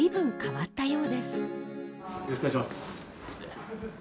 よろしくお願いします。